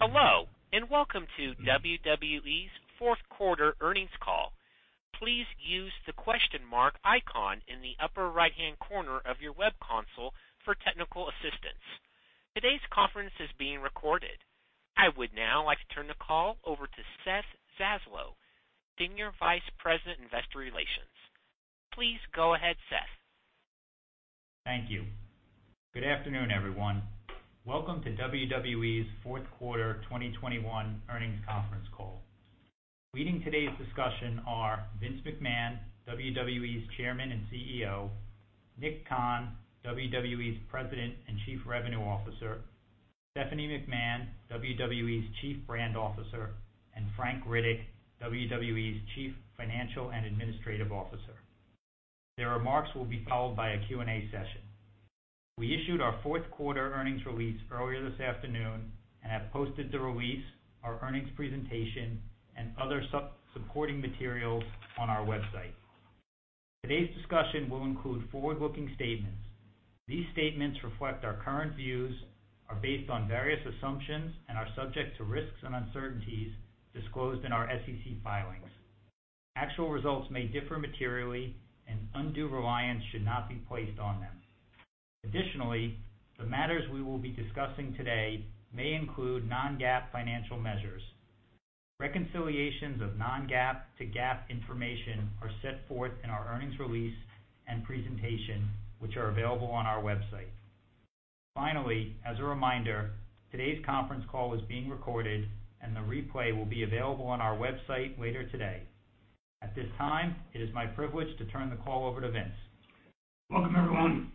Hello, and welcome to WWE's fourth quarter earnings call. Please use the question mark icon in the upper right-hand corner of your web console for technical assistance. Today's conference is being recorded. I would now like to turn the call over to Seth Zaslow, Senior Vice President, Investor Relations. Please go ahead, Seth. Thank you. Good afternoon, everyone. Welcome to WWE's fourth quarter 2021 earnings conference call. Leading today's discussion are Vince McMahon, WWE's Chairman and CEO, Nick Khan, WWE's President and Chief Revenue Officer, Stephanie McMahon, WWE's Chief Brand Officer, and Frank Riddick, WWE's Chief Financial and Administrative Officer. Their remarks will be followed by a Q&A session. We issued our fourth quarter earnings release earlier this afternoon and have posted the release, our earnings presentation, and other supporting materials on our website. Today's discussion will include forward-looking statements. These statements reflect our current views, are based on various assumptions, and are subject to risks and uncertainties disclosed in our SEC filings. Actual results may differ materially, and undue reliance should not be placed on them. Additionally, the matters we will be discussing today may include non-GAAP financial measures. Reconciliations of non-GAAP to GAAP information are set forth in our earnings release and presentation, which are available on our website. Finally, as a reminder, today's conference call is being recorded and the replay will be available on our website later today. At this time, it is my privilege to turn the call over to Vince. Welcome, everyone.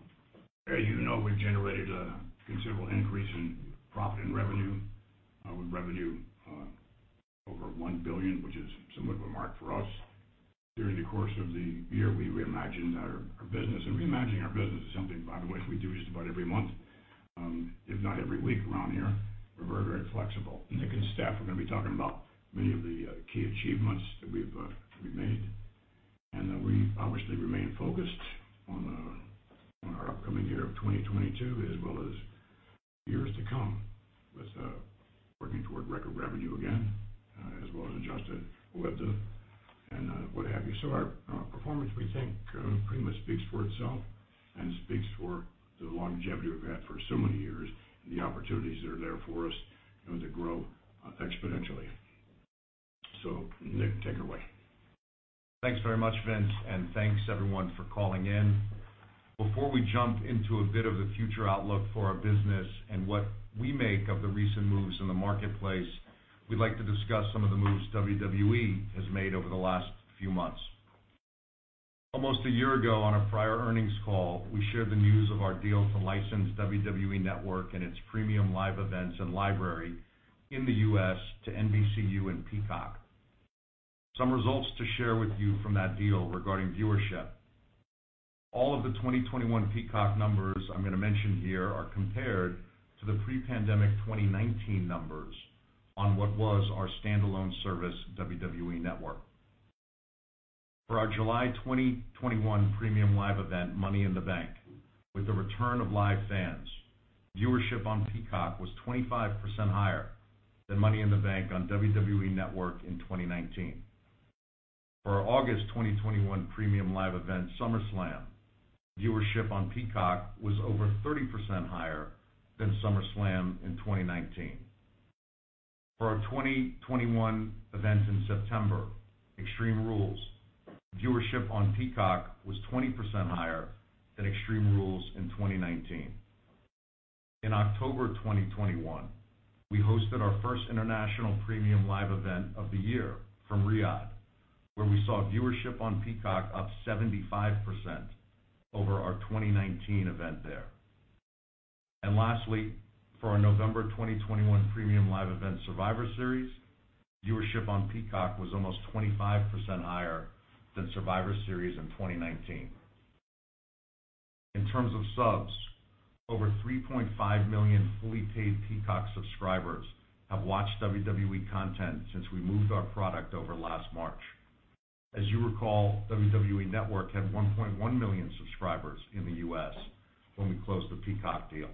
As you know, we've generated a considerable increase in profit and revenue, with revenue over $1 billion, which is somewhat of a mark for us. During the course of the year, we reimagined our business. Reimagining our business is something, by the way, we do just about every month, if not every week around here. We're very flexible. Nick and Steph are gonna be talking about many of the key achievements that we've made. Then we obviously remain focused on our upcoming year of 2022 as well as years to come with working toward record revenue again, as well as adjusted OIBDA and what have you. Our performance, we think, pretty much speaks for itself and speaks for the longevity we've had for so many years and the opportunities that are there for us, you know, to grow exponentially. Nick, take it away. Thanks very much, Vince, and thanks everyone for calling in. Before we jump into a bit of the future outlook for our business and what we make of the recent moves in the marketplace, we'd like to discuss some of the moves WWE has made over the last few months. Almost a year ago, on a prior earnings call, we shared the news of our deal to license WWE Network and its premium live events and library in the U.S. to NBCU and Peacock. Some results to share with you from that deal regarding viewership. All of the 2021 Peacock numbers I'm gonna mention here are compared to the pre-pandemic 2019 numbers on what was our standalone service, WWE Network. For our July 2021 premium live event, Money in the Bank, with the return of live fans, viewership on Peacock was 25% higher than Money in the Bank on WWE Network in 2019. For our August 2021 premium live event, SummerSlam, viewership on Peacock was over 30% higher than SummerSlam in 2019. For our 2021 event in September, Extreme Rules, viewership on Peacock was 20% higher than Extreme Rules in 2019. In October 2021, we hosted our first international premium live event of the year from Riyadh, where we saw viewership on Peacock up 75% over our 2019 event there. Lastly, for our November 2021 premium live event, Survivor Series, viewership on Peacock was almost 25% higher than Survivor Series in 2019. In terms of subs, over 3.5 million fully paid Peacock subscribers have watched WWE content since we moved our product over last March. As you recall, WWE Network had 1.1 million subscribers in the U.S. when we closed the Peacock deal.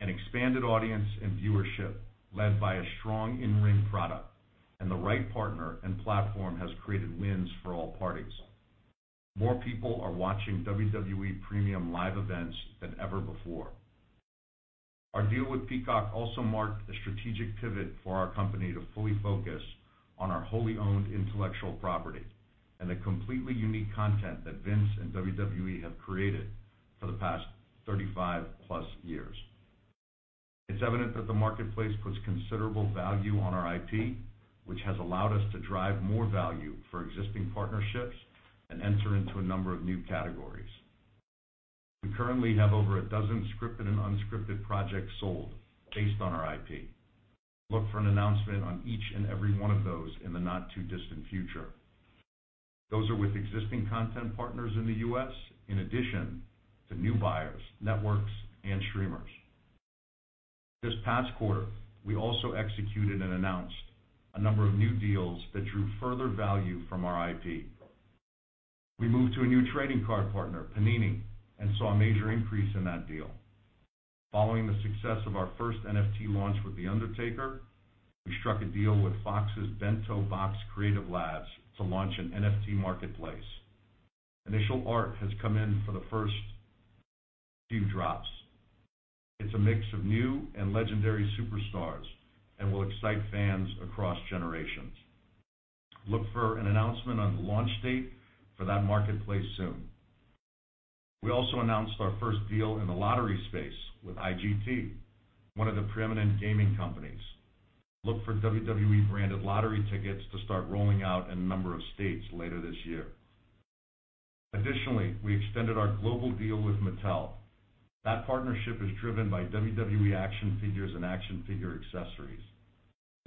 An expanded audience and viewership led by a strong in-ring product and the right partner and platform has created wins for all parties. More people are watching WWE premium live events than ever before. Our deal with Peacock also marked a strategic pivot for our company to fully focus on our wholly owned intellectual property and the completely unique content that Vince and WWE have created for the past 35+ years. It's evident that the marketplace puts considerable value on our IP, which has allowed us to drive more value for existing partnerships and enter into a number of new categories. We currently have over a dozen scripted and unscripted projects sold based on our IP. Look for an announcement on each and every one of those in the not-too-distant future. Those are with existing content partners in the U.S., in addition to new buyers, networks, and streamers. This past quarter, we also executed and announced a number of new deals that drew further value from our IP. We moved to a new trading card partner, Panini, and saw a major increase in that deal. Following the success of our first NFT launch with The Undertaker, we struck a deal with Fox's Blockchain Creative Labs to launch an NFT marketplace. Initial art has come in for the first few drops. It's a mix of new and legendary superstars and will excite fans across generations. Look for an announcement on the launch date for that marketplace soon. We also announced our first deal in the lottery space with IGT, one of the preeminent gaming companies. Look for WWE-branded lottery tickets to start rolling out in a number of states later this year. Additionally, we extended our global deal with Mattel. That partnership is driven by WWE action figures and action figure accessories.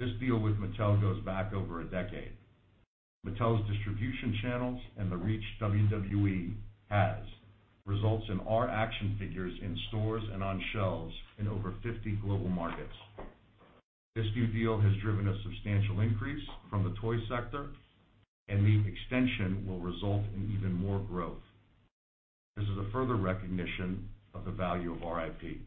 This deal with Mattel goes back over a decade. Mattel's distribution channels and the reach WWE has results in our action figures in stores and on shelves in over 50 global markets. This new deal has driven a substantial increase from the toy sector, and the extension will result in even more growth. This is a further recognition of the value of our IP.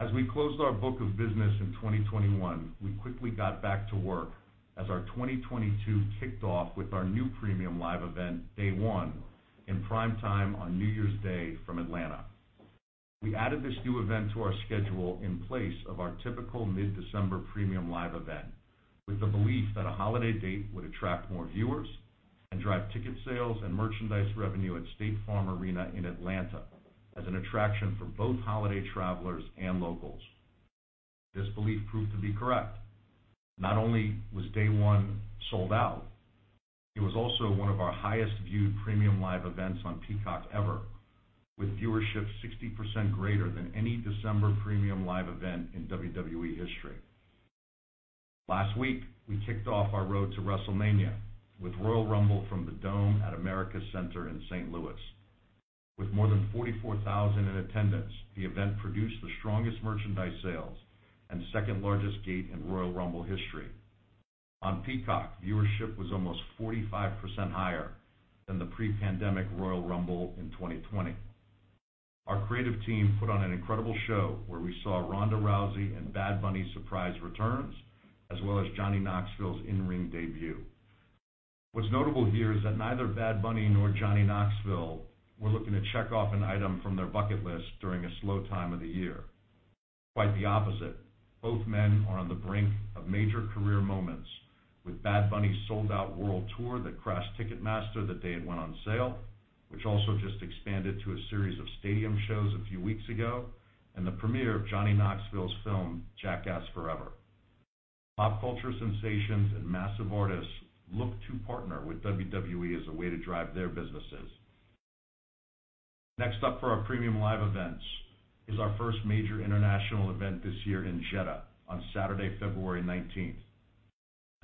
As we closed our book of business in 2021, we quickly got back to work as our 2022 kicked off with our new premium live event, Day One, in prime time on New Year's Day from Atlanta. We added this new event to our schedule in place of our typical mid-December premium live event with the belief that a holiday date would attract more viewers and drive ticket sales and merchandise revenue at State Farm Arena in Atlanta as an attraction for both holiday travelers and locals. This belief proved to be correct. Not only was Day One sold out, it was also one of our highest-viewed premium live events on Peacock ever, with viewership 60% greater than any December premium live event in WWE history. Last week, we kicked off our road to WrestleMania with Royal Rumble from the Dome at America's Center in St. Louis. With more than 44,000 in attendance, the event produced the strongest merchandise sales and second-largest gate in Royal Rumble history. On Peacock, viewership was almost 45% higher than the pre-pandemic Royal Rumble in 2020. Our creative team put on an incredible show where we saw Ronda Rousey and Bad Bunny's surprise returns, as well as Johnny Knoxville's in-ring debut. What's notable here is that neither Bad Bunny nor Johnny Knoxville were looking to check off an item from their bucket list during a slow time of the year. Quite the opposite, both men are on the brink of major career moments with Bad Bunny's sold-out world tour that crashed Ticketmaster the day it went on sale, which also just expanded to a series of stadium shows a few weeks ago, and the premiere of Johnny Knoxville's film, Jackass Forever. Pop culture sensations and massive artists look to partner with WWE as a way to drive their businesses. Next up for our premium live events is our first major international event this year in Jeddah on Saturday, February 19,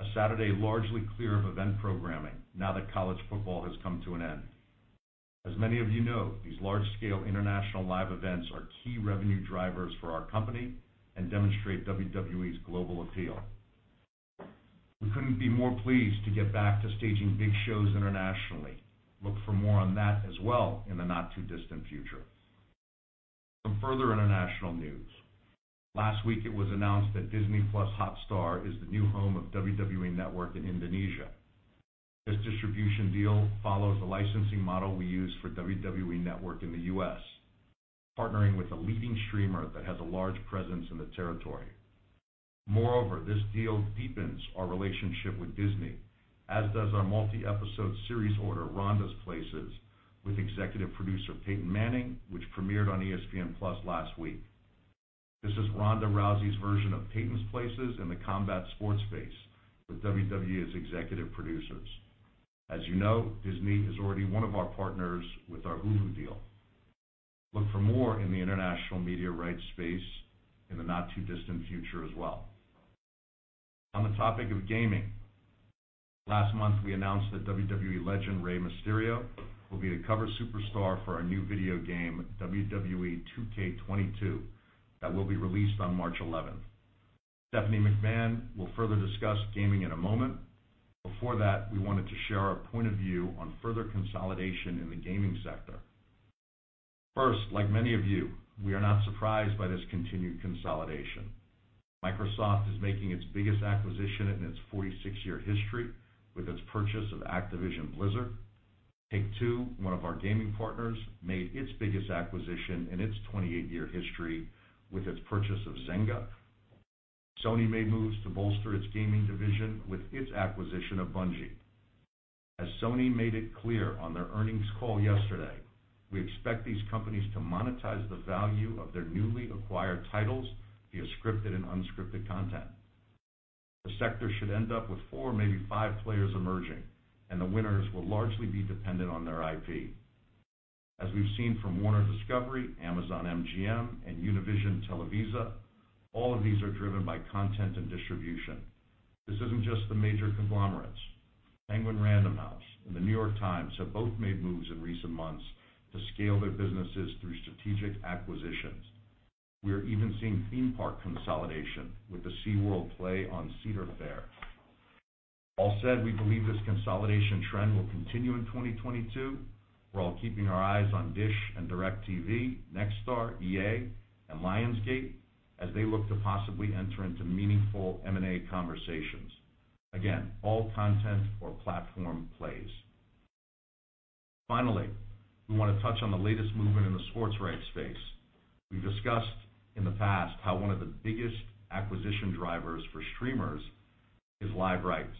a Saturday largely clear of event programming now that college football has come to an end. As many of you know, these large-scale international live events are key revenue drivers for our company and demonstrate WWE's global appeal. We couldn't be more pleased to get back to staging big shows internationally. Look for more on that as well in the not-too-distant future. Some further international news. Last week, it was announced that Disney+ Hotstar is the new home of WWE Network in Indonesia. This distribution deal follows the licensing model we use for WWE Network in the U.S., partnering with a leading streamer that has a large presence in the territory. Moreover, this deal deepens our relationship with Disney, as does our multi-episode series order, Rousey's Places, with executive producer Peyton Manning, which premiered on ESPN+ last week. This is Ronda Rousey's version of Peyton's Places in the combat sports space, with WWE as executive producers. As you know, Disney is already one of our partners with our Hulu deal. Look for more in the international media rights space in the not-too-distant future as well. On the topic of gaming, last month, we announced that WWE legend Rey Mysterio will be the cover superstar for our new video game, WWE 2K22, that will be released on March 11. Stephanie McMahon will further discuss gaming in a moment. Before that, we wanted to share our point of view on further consolidation in the gaming sector. First, like many of you, we are not surprised by this continued consolidation. Microsoft is making its biggest acquisition in its 46-year history with its purchase of Activision Blizzard. Take-Two, one of our gaming partners, made its biggest acquisition in its 28-year history with its purchase of Zynga. Sony made moves to bolster its gaming division with its acquisition of Bungie. As Sony made it clear on their earnings call yesterday, we expect these companies to monetize the value of their newly acquired titles via scripted and unscripted content. The sector should end up with four, maybe five players emerging, and the winners will largely be dependent on their IP. As we've seen from Warner Bros. Discovery, Amazon MGM, and TelevisaUnivision, all of these are driven by content and distribution. This isn't just the major conglomerates. Penguin Random House and The New York Times have both made moves in recent months to scale their businesses through strategic acquisitions. We're even seeing theme park consolidation with the SeaWorld play on Cedar Fair. All said, we believe this consolidation trend will continue in 2022. We're all keeping our eyes on Dish and DirecTV, Nexstar, EA, and Lionsgate as they look to possibly enter into meaningful M&A conversations. Again, all content or platform plays. Finally, we wanna touch on the latest movement in the sports rights space. We've discussed in the past how one of the biggest acquisition drivers for streamers is live rights.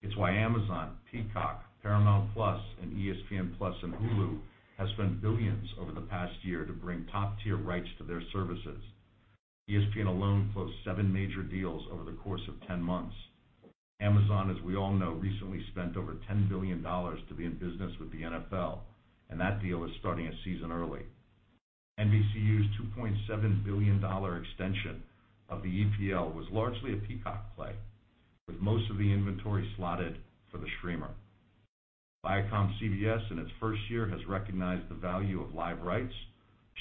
It's why Amazon, Peacock, Paramount Plus, and ESPN Plus, and Hulu has spent billions over the past year to bring top-tier rights to their services. ESPN alone closed seven major deals over the course of 10 months. Amazon, as we all know, recently spent over $10 billion to be in business with the NFL, and that deal is starting a season early. NBCU's $2.7 billion extension of the EPL was largely a Peacock play, with most of the inventory slotted for the streamer. ViacomCBS, in its first year, has recognized the value of live rights,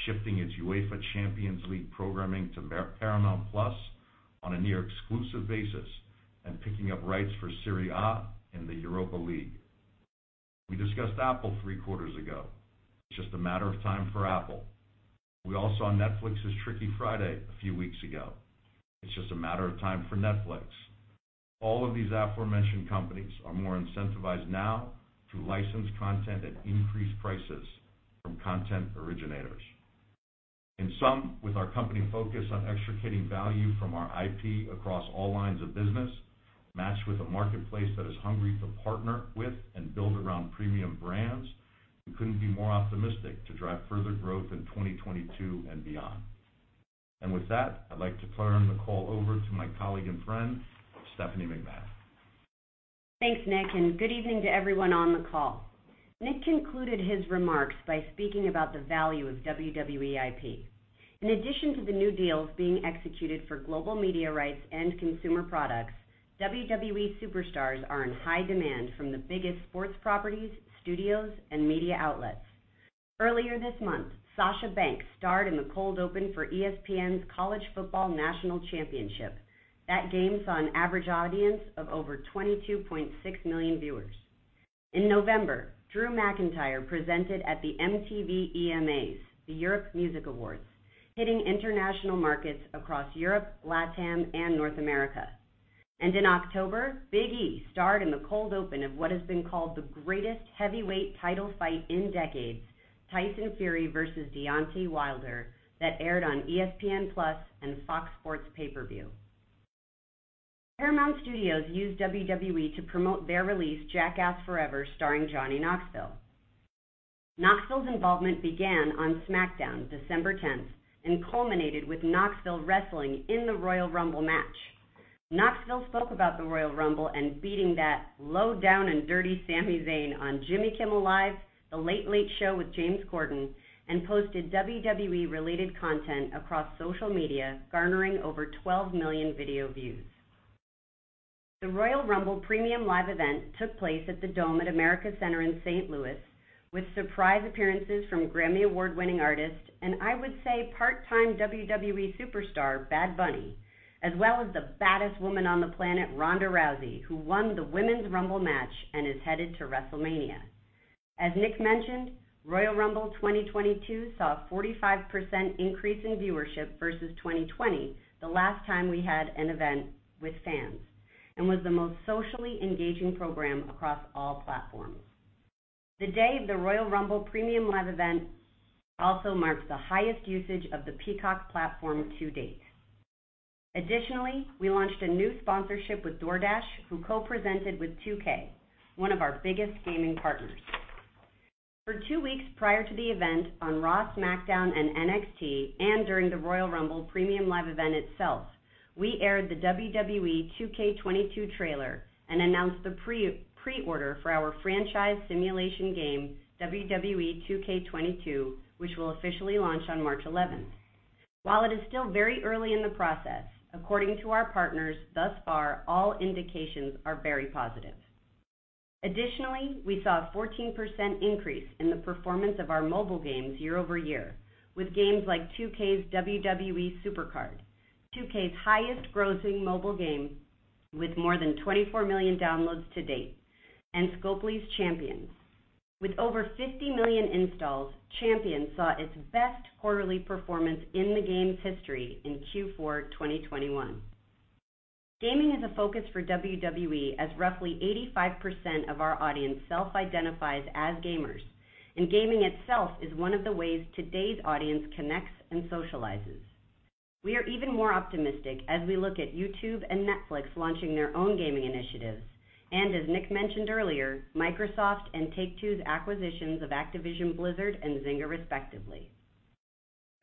shifting its UEFA Champions League programming to Paramount+ on a near exclusive basis and picking up rights for Serie A and the Europa League. We discussed Apple three quarters ago. It's just a matter of time for Apple. We all saw Netflix's Tricky Friday a few weeks ago. It's just a matter of time for Netflix. All of these aforementioned companies are more incentivized now to license content at increased prices from content originators. In sum, with our company focused on extricating value from our IP across all lines of business, matched with a marketplace that is hungry to partner with and build around premium brands, we couldn't be more optimistic to drive further growth in 2022 and beyond. With that, I'd like to turn the call over to my colleague and friend, Stephanie McMahon. Thanks, Nick, and good evening to everyone on the call. Nick concluded his remarks by speaking about the value of WWE IP. In addition to the new deals being executed for global media rights and consumer products, WWE superstars are in high demand from the biggest sports properties, studios, and media outlets. Earlier this month, Sasha Banks starred in the cold open for ESPN's College Football National Championship. That game saw an average audience of over 22.6 million viewers. In November, Drew McIntyre presented at the MTV Europe Music Awards, hitting international markets across Europe, LATAM, and North America. In October, Big E starred in the cold open of what has been called the greatest heavyweight title fight in decades, Tyson Fury versus Deontay Wilder, that aired on ESPN+ and Fox Sports pay-per-view. Paramount Studios used WWE to promote their release, Jackass Forever, starring Johnny Knoxville. Knoxville's involvement began on SmackDown, December 10th, and culminated with Knoxville wrestling in the Royal Rumble match. Knoxville spoke about the Royal Rumble and beating that low-down-and-dirty Sami Zayn on Jimmy Kimmel Live, The Late Late Show with James Corden, and posted WWE-related content across social media, garnering over 12 million video views. The Royal Rumble premium live event took place at the Dome at America's Center in St. Louis, with surprise appearances from Grammy Award-winning artist, and I would say part-time WWE superstar, Bad Bunny, as well as the baddest woman on the planet, Ronda Rousey, who won the women's Rumble match and is headed to WrestleMania. As Nick mentioned, Royal Rumble 2022 saw a 45% increase in viewership versus 2020, the last time we had an event with fans, and was the most socially engaging program across all platforms. The day of the Royal Rumble premium live event also marks the highest usage of the Peacock platform to date. Additionally, we launched a new sponsorship with DoorDash, who co-presented with 2K, one of our biggest gaming partners. For two weeks prior to the event on Raw, SmackDown, and NXT, and during the Royal Rumble premium live event itself, we aired the WWE 2K22 trailer and announced the pre-order for our franchise simulation game, WWE 2K22, which will officially launch on March 11. While it is still very early in the process, according to our partners thus far, all indications are very positive. Additionally, we saw a 14% increase in the performance of our mobile games year-over-year with games like 2K's WWE SuperCard, 2K's highest grossing mobile game with more than 24 million downloads to date, and Scopely's WWE Champions. With over 50 million installs, WWE Champions saw its best quarterly performance in the game's history in Q4 2021. Gaming is a focus for WWE as roughly 85% of our audience self-identifies as gamers, and gaming itself is one of the ways today's audience connects and socializes. We are even more optimistic as we look at YouTube and Netflix launching their own gaming initiatives, and as Nick mentioned earlier, Microsoft and Take-Two's acquisitions of Activision Blizzard and Zynga respectively.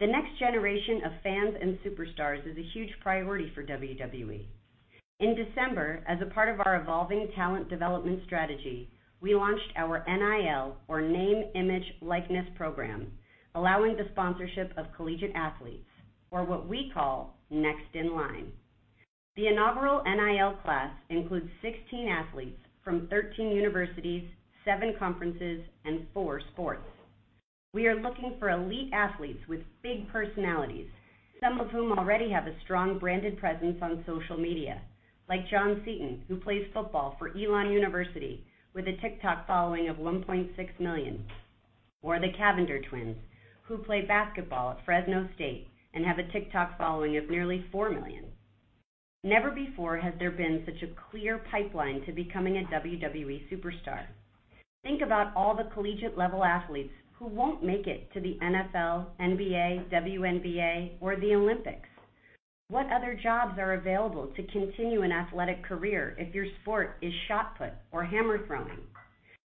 The next generation of fans and superstars is a huge priority for WWE. In December, as a part of our evolving talent development strategy, we launched our NIL, or Name, Image, Likeness program, allowing the sponsorship of collegiate athletes, or what we call next in line. The inaugural NIL class includes 16 athletes from 13 universities, seven conferences, and four sports. We are looking for elite athletes with big personalities, some of whom already have a strong branded presence on social media. Like Jon Seaton, who plays football for Elon University with a TikTok following of 1.6 million, or the Cavinder twins, who play basketball at Fresno State and have a TikTok following of nearly 4 million. Never before has there been such a clear pipeline to becoming a WWE superstar. Think about all the collegiate-level athletes who won't make it to the NFL, NBA, WNBA, or the Olympics. What other jobs are available to continue an athletic career if your sport is shot put or hammer throwing?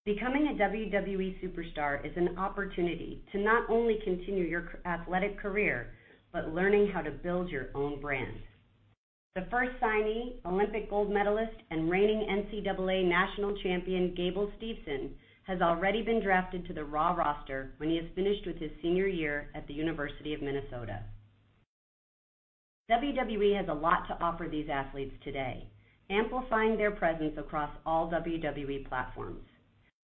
Becoming a WWE superstar is an opportunity to not only continue your athletic career, but learning how to build your own brand. The first signee, Olympic gold medalist and reigning NCAA national champion, Gable Steveson, has already been drafted to the Raw roster when he is finished with his senior year at the University of Minnesota. WWE has a lot to offer these athletes today, amplifying their presence across all WWE platforms.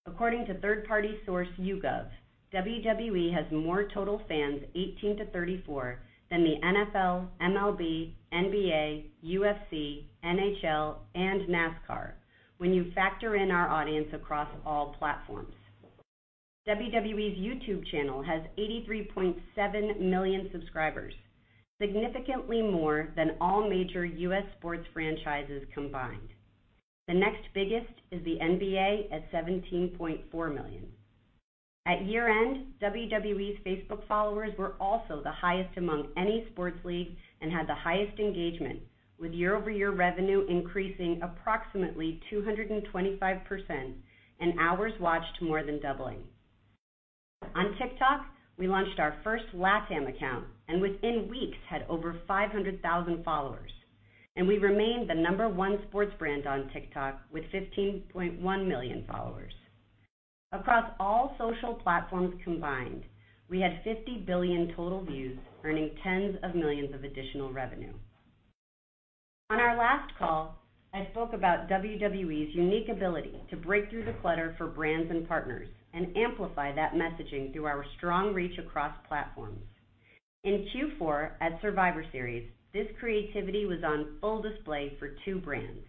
According to third-party source YouGov, WWE has more total fans 18-34 than the NFL, MLB, NBA, UFC, NHL, and NASCAR when you factor in our audience across all platforms. WWE's YouTube channel has 83.7 million subscribers, significantly more than all major U.S. sports franchises combined. The next biggest is the NBA at 17.4 million. At year-end, WWE's Facebook followers were also the highest among any sports league and had the highest engagement, with year-over-year revenue increasing approximately 225%, and hours watched more than doubling. On TikTok, we launched our first LATAM account, and within weeks had over 500,000 followers. We remain the number one sports brand on TikTok with 15.1 million followers. Across all social platforms combined, we had 50 billion total views, earning $10s of millions of additional revenue. On our last call, I spoke about WWE's unique ability to break through the clutter for brands and partners and amplify that messaging through our strong reach across platforms. In Q4 at Survivor Series, this creativity was on full display for two brands.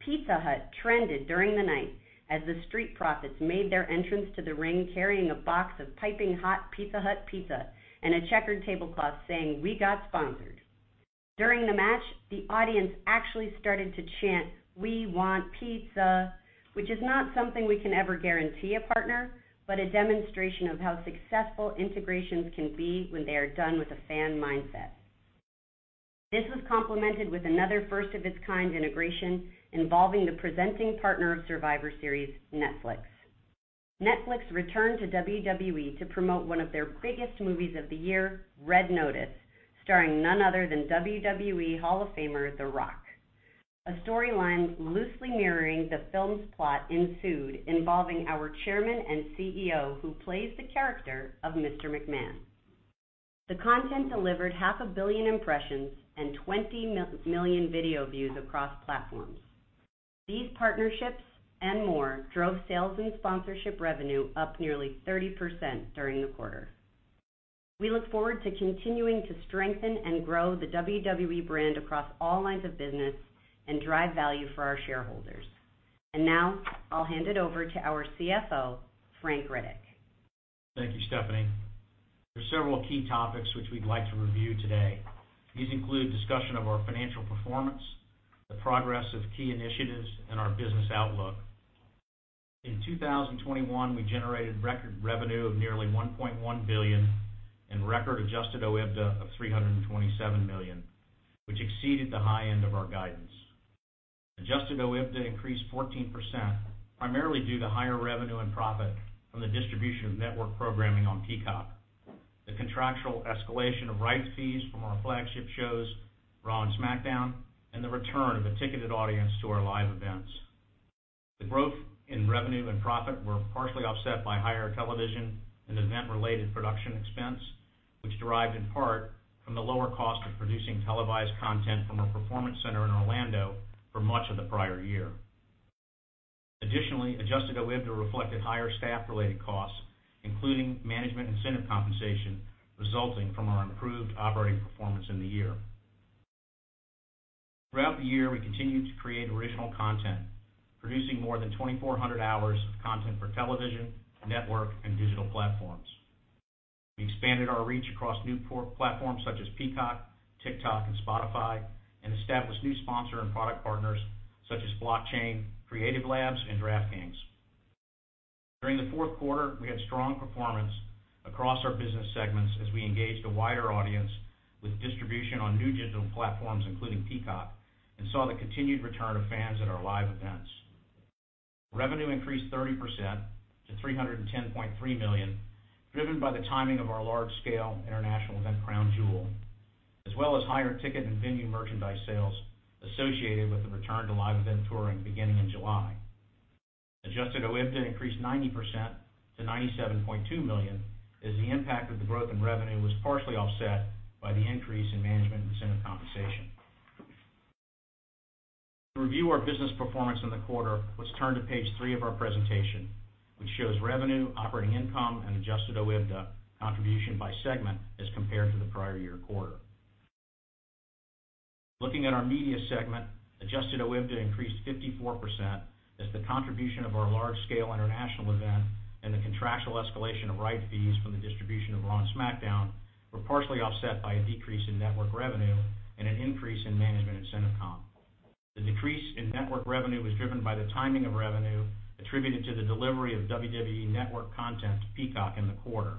Pizza Hut trended during the night as The Street Profits made their entrance to the ring carrying a box of piping hot Pizza Hut pizza and a checkered tablecloth saying, "We got sponsored." During the match, the audience actually started to chant, "We want pizza," which is not something we can ever guarantee a partner, but a demonstration of how successful integrations can be when they are done with a fan mindset. This was complemented with another first-of-its-kind integration involving the presenting partner of Survivor Series, Netflix. Netflix returned to WWE to promote one of their biggest movies of the year, Red Notice, starring none other than WWE Hall of Famer, The Rock. A storyline loosely mirroring the film's plot ensued involving our Chairman and CEO, who plays the character of Mr. McMahon. The content delivered half a billion impressions and 20 million video views across platforms. These partnerships and more drove sales and sponsorship revenue up nearly 30% during the quarter. We look forward to continuing to strengthen and grow the WWE brand across all lines of business and drive value for our shareholders. Now I'll hand it over to our CFO, Frank Riddick. Thank you, Stephanie. There are several key topics which we'd like to review today. These include discussion of our financial performance, the progress of key initiatives, and our business outlook. In 2021, we generated record revenue of nearly $1.1 billion and record adjusted OIBDA of $327 million, which exceeded the high end of our guidance. Adjusted OIBDA increased 14%, primarily due to higher revenue and profit from the distribution of network programming on Peacock, the contractual escalation of rights fees from our flagship shows, Raw and SmackDown, and the return of a ticketed audience to our live events. The growth in revenue and profit were partially offset by higher television and event-related production expenses, which were higher in part due to the lower cost of producing televised content from our Performance Center in Orlando for much of the prior year. Additionally, adjusted OIBDA reflected higher staff-related costs, including management incentive compensation resulting from our improved operating performance in the year. Throughout the year, we continued to create original content, producing more than 2,400 hours of content for television, network, and digital platforms. We expanded our reach across new platforms such as Peacock, TikTok, and Spotify, and established new sponsor and product partners such as Blockchain Creative Labs and DraftKings. During the fourth quarter, we had strong performance across our business segments as we engaged a wider audience with distribution on new digital platforms, including Peacock, and saw the continued return of fans at our live events. Revenue increased 30% to $310.3 million, driven by the timing of our large-scale international event, Crown Jewel, as well as higher ticket and venue merchandise sales associated with the return to live event touring beginning in July. Adjusted OIBDA increased 90% to $97.2 million as the impact of the growth in revenue was partially offset by the increase in management incentive compensation. To review our business performance in the quarter, let's turn to page three of our presentation, which shows revenue, operating income, and adjusted OIBDA contribution by segment as compared to the prior-year quarter. Looking at our Media segment, adjusted OIBDA increased 54% as the contribution of our large-scale international event and the contractual escalation of rights fees from the distribution of Raw and SmackDown were partially offset by a decrease in network revenue and an increase in management incentive comp. The decrease in network revenue was driven by the timing of revenue attributed to the delivery of WWE Network content to Peacock in the quarter,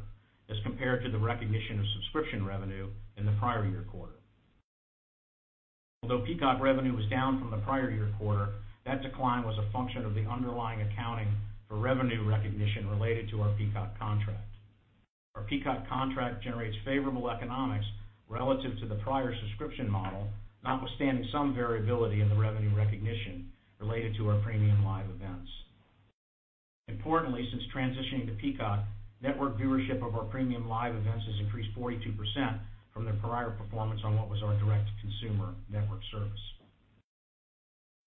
as compared to the recognition of subscription revenue in the prior year quarter. Although Peacock revenue was down from the prior year quarter, that decline was a function of the underlying accounting for revenue recognition related to our Peacock contract. Our Peacock contract generates favorable economics relative to the prior subscription model, notwithstanding some variability in the revenue recognition related to our premium live events. Importantly, since transitioning to Peacock, network viewership of our premium live events has increased 42% from their prior performance on what was our direct-to-consumer network service.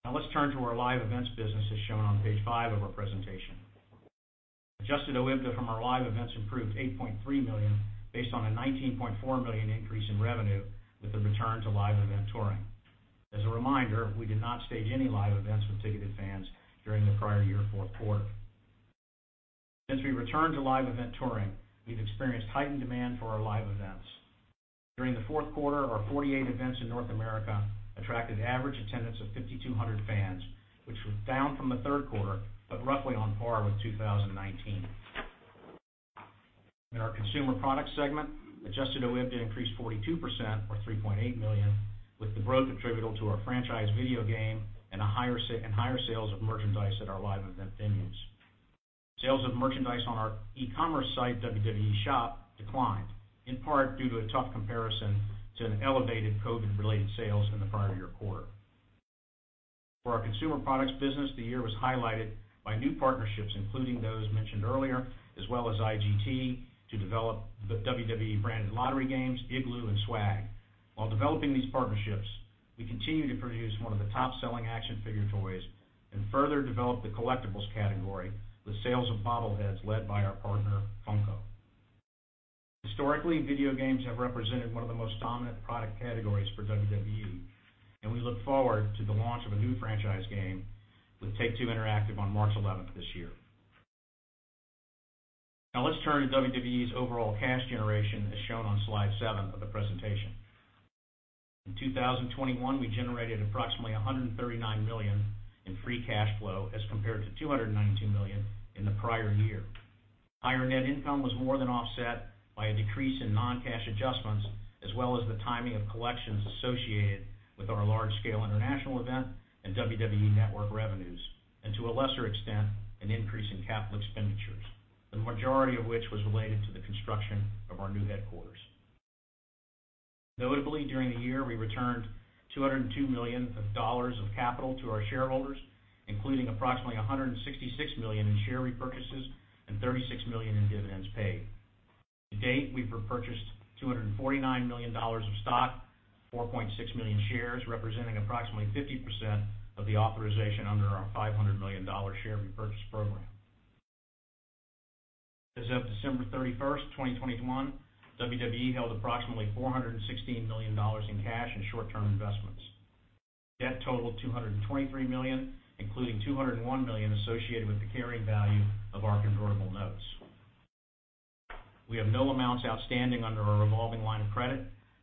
Now let's turn to our live events business as shown on page five of our presentation. Adjusted OIBDA from our live events improved $8.3 million based on a $19.4 million increase in revenue with the return to live event touring. As a reminder, we did not stage any live events with ticketed fans during the prior year fourth quarter. Since we returned to live event touring, we've experienced heightened demand for our live events. During the fourth quarter, our 48 events in North America attracted average attendance of 5,200 fans, which was down from the third quarter, but roughly on par with 2019. In our Consumer Products segment, adjusted OIBDA increased 42%, or $3.8 million, with the growth attributable to our franchise video game and higher sales of merchandise at our live event venues. Sales of merchandise on our e-commerce site, WWE Shop, declined, in part due to a tough comparison to an elevated COVID-related sales in the prior year quarter. For our Consumer Products business, the year was highlighted by new partnerships, including those mentioned earlier, as well as IGT, to develop the WWE-branded lottery games, Igloo, and Swag. While developing these partnerships, we continue to produce one of the top-selling action figure toys and further develop the collectibles category with sales of bobbleheads led by our partner, Funko. Historically, video games have represented one of the most dominant product categories for WWE, and we look forward to the launch of a new franchise game with Take-Two Interactive on March 11 this year. Now let's turn to WWE's overall cash generation as shown on slide seven of the presentation. In 2021, we generated approximately $139 million in free cash flow as compared to $292 million in the prior year. Higher net income was more than offset by a decrease in non-cash adjustments as well as the timing of collections associated with our large-scale international event and WWE Network revenues, and to a lesser extent, an increase in capital expenditures, the majority of which was related to the construction of our new headquarters. Notably, during the year, we returned $202 million of capital to our shareholders, including approximately $166 million in share repurchases and $36 million in dividends paid. To date, we've repurchased $249 million of stock, $4.6 million shares, representing approximately 50% of the authorization under our $500 million share repurchase program. As of December 31, 2021, WWE held approximately $416 million in cash and short-term investments. Debt totaled $223 million, including $201 million associated with the carrying value of our convertible notes. We have no amounts outstanding under our revolving line of credit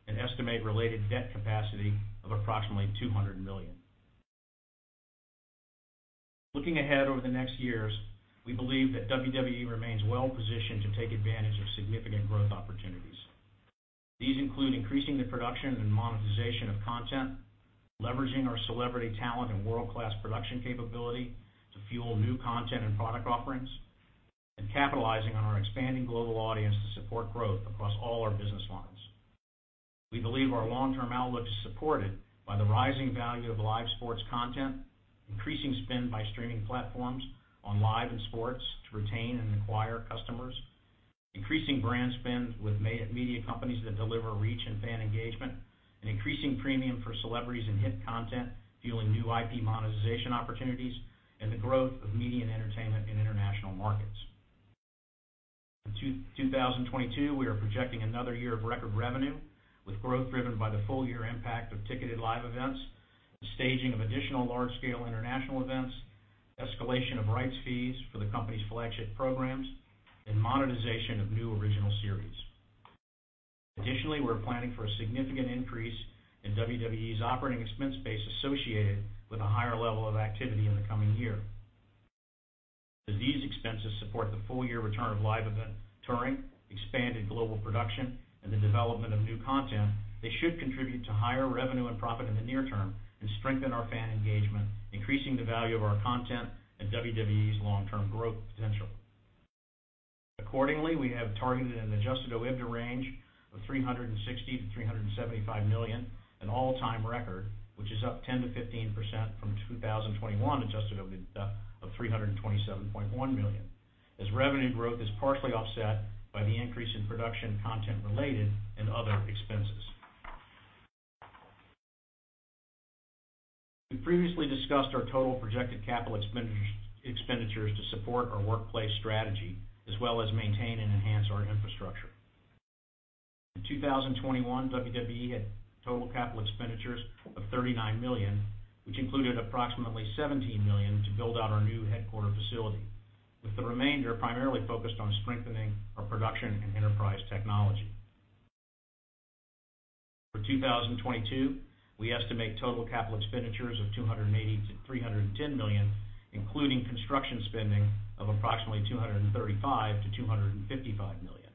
and estimate related debt capacity of approximately $200 million. Looking ahead over the next years, we believe that WWE remains well positioned to take advantage of significant growth opportunities. These include increasing the production and monetization of content, leveraging our celebrity talent and world-class production capability to fuel new content and product offerings, and capitalizing on our expanding global audience to support growth across all our business lines. We believe our long-term outlook is supported by the rising value of live sports content, increasing spend by streaming platforms on live and sports to retain and acquire customers, increasing brand spend with media companies that deliver reach and fan engagement, an increasing premium for celebrities and hit content, fueling new IP monetization opportunities, and the growth of media and entertainment in international markets. In 2022, we are projecting another year of record revenue with growth driven by the full-year impact of ticketed live events, the staging of additional large-scale international events, escalation of rights fees for the company's flagship programs, and monetization of new original series. We're planning for a significant increase in WWE's operating expense base associated with a higher level of activity in the coming year. As these expenses support the full-year return of live event touring, expanded global production, and the development of new content, they should contribute to higher revenue and profit in the near term and strengthen our fan engagement, increasing the value of our content and WWE's long-term growth potential. Accordingly, we have targeted an adjusted OIBDA range of $360 million-$375 million, an all-time record, which is up 10%-15% from 2021 adjusted OIBDA of $327.1 million, as revenue growth is partially offset by the increase in production content related and other expenses. We previously discussed our total projected capital expenditures to support our workplace strategy, as well as maintain and enhance our infrastructure. In 2021, WWE had total capital expenditures of $39 million, which included approximately $17 million to build out our new headquarters facility, with the remainder primarily focused on strengthening our production and enterprise technology. For 2022, we estimate total capital expenditures of $280 million-$310 million, including construction spending of approximately $235 million-$255 million.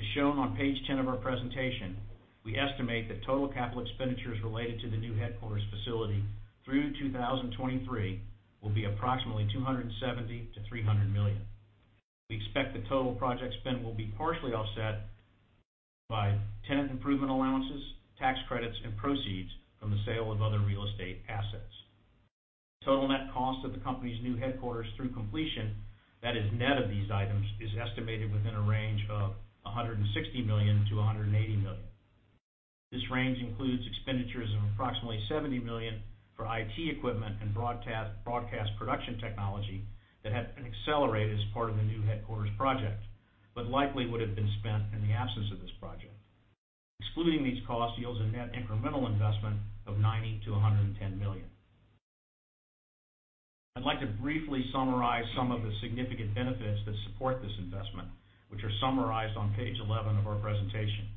As shown on page 10 of our presentation, we estimate that total capital expenditures related to the new headquarters facility through 2023 will be approximately $270 million-$300 million. We expect the total project spend will be partially offset by tenant improvement allowances, tax credits, and proceeds from the sale of other real estate assets. Total net cost of the company's new headquarters through completion that is net of these items is estimated within a range of $160 million-$180 million. This range includes expenditures of approximately $70 million for IT equipment and broadcast production technology that had been accelerated as part of the new headquarters project, but likely would have been spent in the absence of this project. Excluding these costs yields a net incremental investment of $90 million-$110 million. I'd like to briefly summarize some of the significant benefits that support this investment, which are summarized on page 11 of our presentation.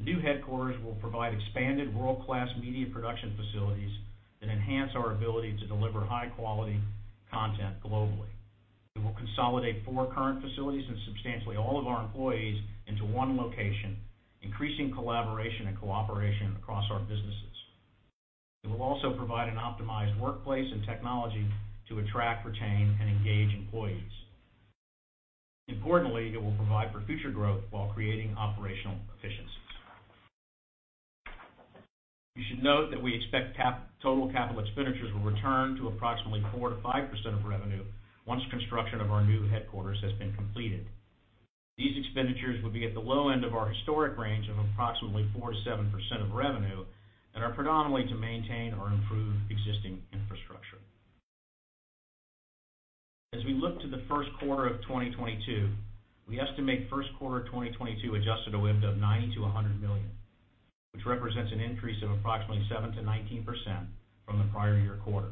The new headquarters will provide expanded world-class media production facilities that enhance our ability to deliver high-quality content globally. It will consolidate four current facilities and substantially all of our employees into one location, increasing collaboration and cooperation across our businesses. It will also provide an optimized workplace and technology to attract, retain, and engage employees. Importantly, it will provide for future growth while creating operational efficiencies. You should note that we expect total capital expenditures will return to approximately 4%-5% of revenue once construction of our new headquarters has been completed. These expenditures would be at the low end of our historic range of approximately 4%-7% of revenue and are predominantly to maintain or improve existing infrastructure. As we look to the first quarter of 2022, we estimate first quarter 2022 adjusted OIBDA of $90 million-$100 million, which represents an increase of approximately 7%-19% from the prior year quarter.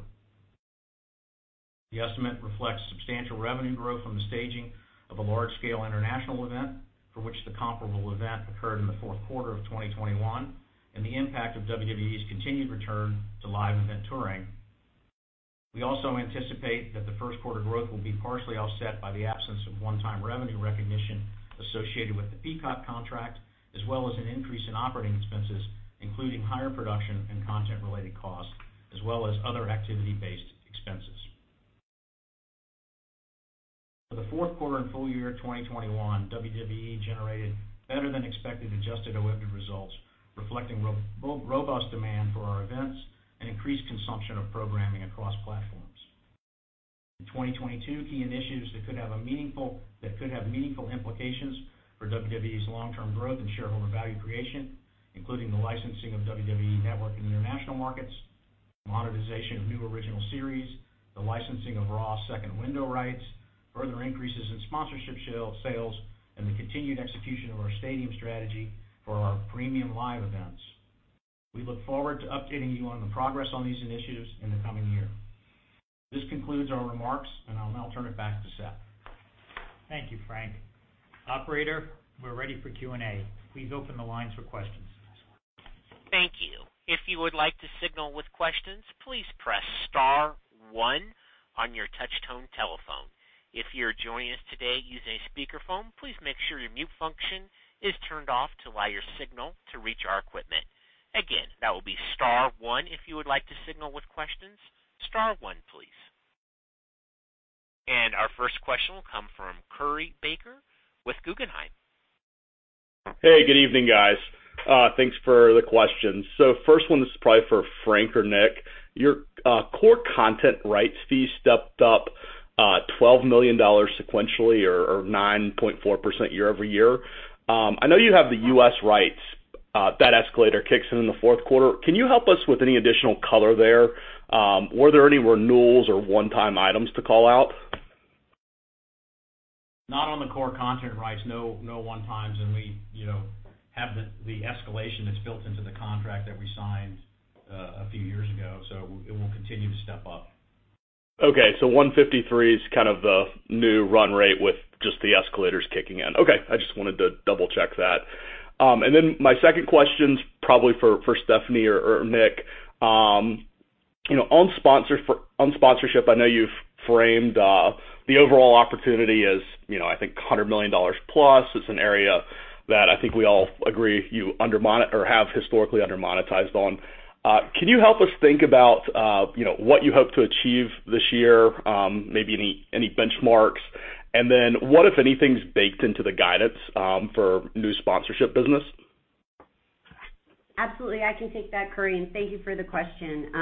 The estimate reflects substantial revenue growth from the staging of a large-scale international event for which the comparable event occurred in the fourth quarter of 2021, and the impact of WWE's continued return to live event touring. We also anticipate that the first quarter growth will be partially offset by the absence of one-time revenue recognition associated with the Peacock contract, as well as an increase in operating expenses, including higher production and content-related costs, as well as other activity-based expenses. For the fourth quarter and full year 2021, WWE generated better than expected adjusted OIBDA results, reflecting robust demand for our events and increased consumption of programming across platforms. In 2022, key initiatives that could have meaningful implications for WWE's long-term growth and shareholder value creation, including the licensing of WWE Network in international markets, monetization of new original series, the licensing of Raw second window rights, further increases in sponsorship sales, and the continued execution of our stadium strategy for our premium live events. We look forward to updating you on the progress on these initiatives in the coming year. This concludes our remarks, and I'll now turn it back to Seth. Thank you, Frank. Operator, we're ready for Q&A. Please open the lines for questions. Thank you. If you would like to signal with questions, please press star one on your touchtone telephone. If you're joining us today using a speakerphone, please make sure your mute function is turned off to allow your signal to reach our equipment. Again, that will be star one if you would like to signal with questions, star one, please. Our first question will come from Curry Baker with Guggenheim. Hey, good evening, guys. Thanks for the questions. First one is probably for Frank or Nick. Your core content rights fee stepped up $12 million sequentially or 9.4% year-over-year. I know you have the U.S. rights, that escalator kicks in in the fourth quarter. Can you help us with any additional color there? Were there any renewals or one-time items to call out? Not on the core content rights. No, no one-times. We, you know, have the escalation that's built into the contract that we signed a few years ago, so it will continue to step up. Okay. 153 is kind of the new run rate with just the escalators kicking in. Okay. I just wanted to double-check that. My second question is probably for Stephanie or Nick. You know, on sponsorship, I know you've framed the overall opportunity as, you know, I think $100 million+ as an area that I think we all agree you have historically under-monetized on. Can you help us think about, you know, what you hope to achieve this year? Maybe any benchmarks? What, if anything, is baked into the guidance for new sponsorship business? Absolutely. I can take that, Curry, and thank you for the question.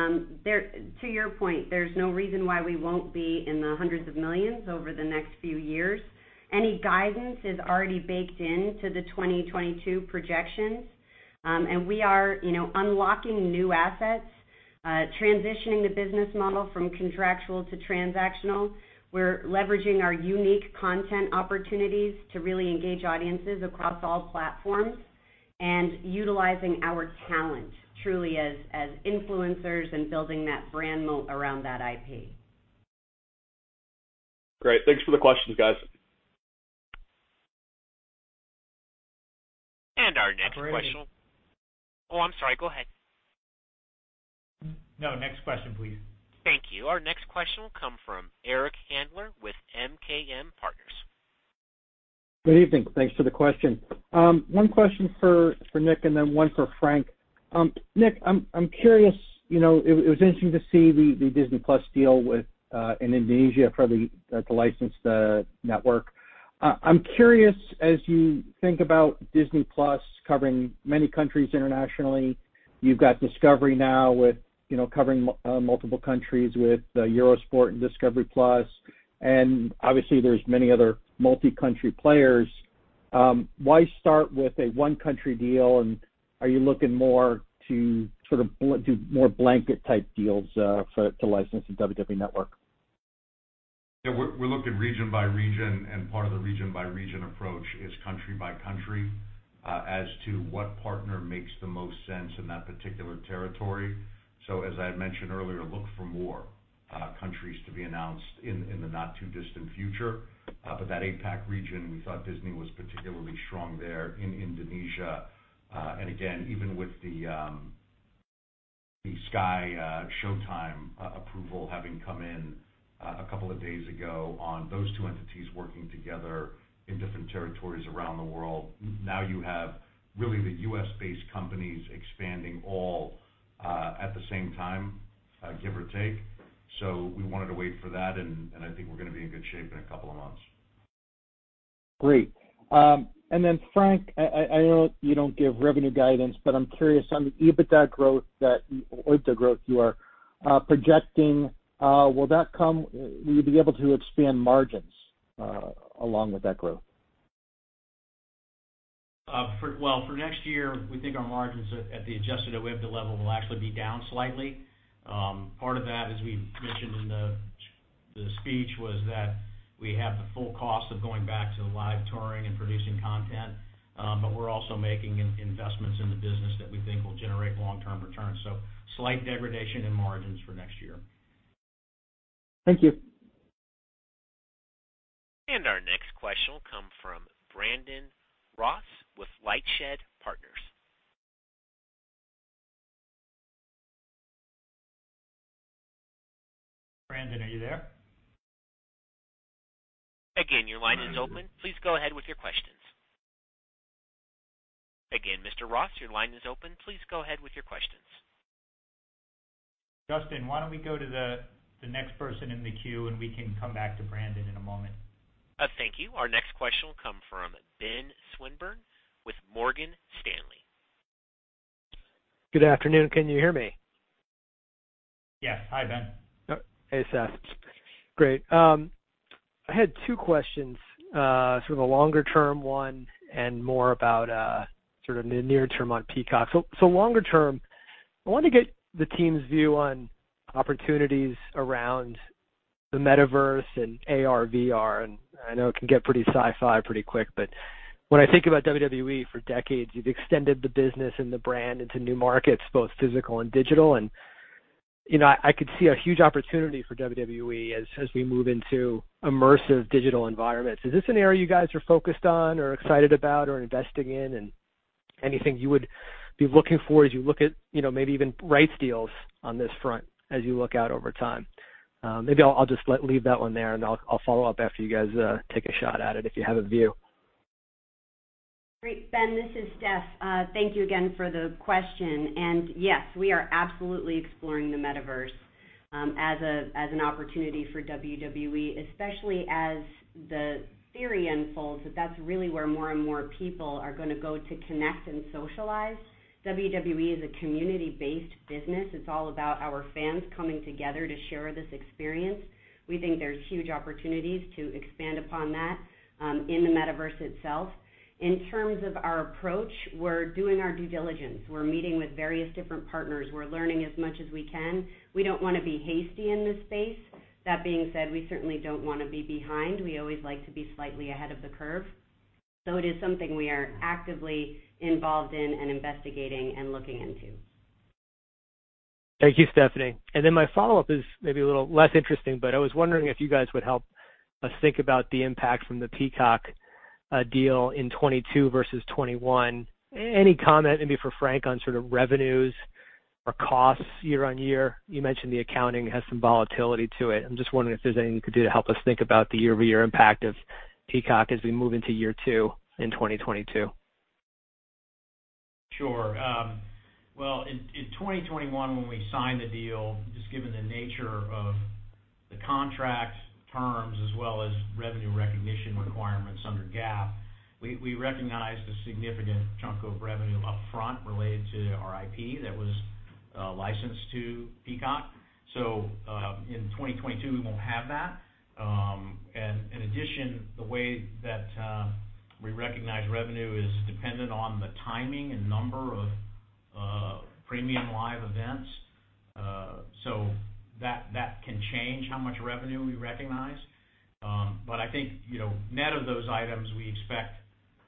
To your point, there's no reason why we won't be in the hundreds of millions over the next few years. Any guidance is already baked in to the 2022 projections. We are, you know, unlocking new assets, transitioning the business model from contractual to transactional. We're leveraging our unique content opportunities to really engage audiences across all platforms and utilizing our talent truly as influencers and building that brand moat around that IP. Great. Thanks for the questions, guys. Our next question. Curry. Oh, I'm sorry. Go ahead. No, next question, please. Thank you. Our next question will come from Eric Handler with MKM Partners. Good evening. Thanks for the question. One question for Nick and then one for Frank. Nick, I'm curious, you know, it was interesting to see the Disney+ deal with in Indonesia to license the network. I'm curious, as you think about Disney+ covering many countries internationally, you've got Discovery now with, you know, covering multiple countries with Eurosport and Discovery+, and obviously there's many other multi-country players. Why start with a one country deal? Are you looking more to sort of do more blanket type deals to license the WWE Network? Yeah. We looked at region by region, and part of the region by region approach is country by country as to what partner makes the most sense in that particular territory. As I had mentioned earlier, look for more countries to be announced in the not too distant future. That APAC region, we thought Disney was particularly strong there in Indonesia. Again, even with the SkyShowtime approval having come in a couple of days ago on those two entities working together in different territories around the world, now you have really the U.S.-based companies expanding all at the same time, give or take. We wanted to wait for that, and I think we're gonna be in good shape in a couple of months. Great. Frank, I know you don't give revenue guidance, but I'm curious on the EBITDA growth or OIBDA growth you are projecting, will you be able to expand margins along with that growth? Well, for next year, we think our margins at the adjusted OIBDA level will actually be down slightly. Part of that, as we mentioned in the speech, was that we have the full cost of going back to live touring and producing content, but we're also making investments in the business that we think will generate long-term returns. Slight degradation in margins for next year. Thank you. Our next question will come from Brandon Ross with Lightshed Partners. Brandon, are you there? Again, your line is open. Please go ahead with your questions. Again, Mr. Ross, your line is open. Please go ahead with your questions. Justin, why don't we go to the next person in the queue, and we can come back to Brandon in a moment. Thank you. Our next question will come from Benjamin Swinburne with Morgan Stanley. Good afternoon. Can you hear me? Yes. Hi, Ben. Oh, hey, Seth. Great. I had two questions, sort of a longer term one and more about sort of near term on Peacock. Longer term, I wanted to get the team's view on opportunities around the Metaverse and AR/VR, and I know it can get pretty sci-fi pretty quick, but when I think about WWE for decades, you've extended the business and the brand into new markets, both physical and digital. You know, I could see a huge opportunity for WWE as we move into immersive digital environments. Is this an area you guys are focused on or excited about or investing in? Anything you would be looking for as you look at, you know, maybe even rights deals on this front as you look out over time? Maybe I'll just leave that one there, and I'll follow up after you guys take a shot at it if you have a view. Great. Ben, this is Steph. Thank you again for the question. Yes, we are absolutely exploring the Metaverse as an opportunity for WWE, especially as the theory unfolds that that's really where more and more people are gonna go to connect and socialize. WWE is a community-based business. It's all about our fans coming together to share this experience. We think there's huge opportunities to expand upon that in the Metaverse itself. In terms of our approach, we're doing our due diligence. We're meeting with various different partners. We're learning as much as we can. We don't wanna be hasty in this space. That being said, we certainly don't wanna be behind. We always like to be slightly ahead of the curve. It is something we are actively involved in and investigating and looking into. Thank you, Stephanie. Then my follow-up is maybe a little less interesting, but I was wondering if you guys would help us think about the impact from the Peacock deal in 2022 versus 2021. Any comment, maybe for Frank, on sort of revenues Costs year-over-year. You mentioned the accounting has some volatility to it. I'm just wondering if there's anything you could do to help us think about the year-over-year impact of Peacock as we move into year two in 2022. Sure. Well, in 2021 when we signed the deal, just given the nature of the contract terms as well as revenue recognition requirements under GAAP, we recognized a significant chunk of revenue upfront related to our IP that was licensed to Peacock. In 2022, we won't have that. In addition, the way that we recognize revenue is dependent on the timing and number of premium live events. That can change how much revenue we recognize. I think, you know, net of those items, we expect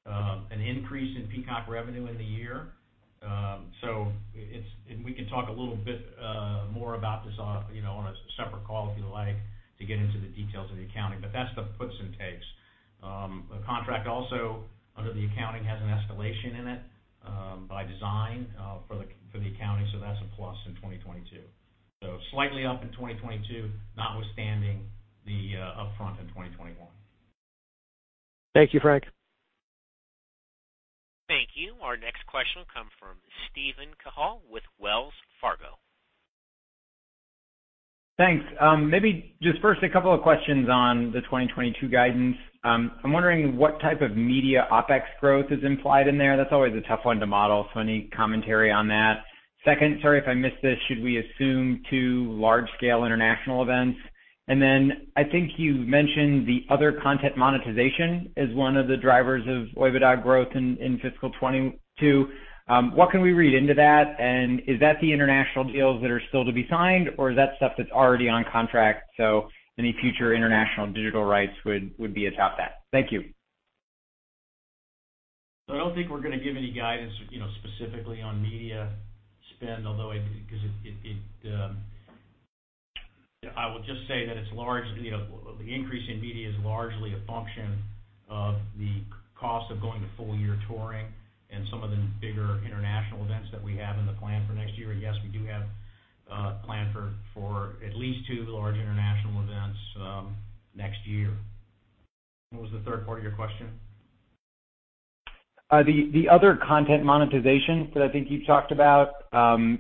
an increase in Peacock revenue in the year. It's and we can talk a little bit more about this on, you know, on a separate call if you'd like, to get into the details of the accounting. That's the puts and takes. The contract also under the accounting has an escalation in it, by design, for the accounting, so that's a plus in 2022. Slightly up in 2022, notwithstanding the upfront in 2021. Thank you, Frank. Thank you. Our next question will come from Stephen Cahall with Wells Fargo. Thanks. Maybe just first a couple of questions on the 2022 guidance. I'm wondering what type of media OpEx growth is implied in there. That's always a tough one to model, so any commentary on that. Second, sorry if I missed this, should we assume two large-scale international events? Then I think you've mentioned the other content monetization as one of the drivers of OIBDA growth in fiscal 2022. What can we read into that? And is that the international deals that are still to be signed, or is that stuff that's already on contract, so any future international digital rights would be atop that? Thank you. I don't think we're gonna give any guidance, you know, specifically on media spend. I would just say that it's large, you know, the increase in media is largely a function of the cost of going to full year touring and some of the bigger international events that we have in the plan for next year. Yes, we do have planned for at least two large international events next year. What was the third part of your question? The other content monetization that I think you've talked about,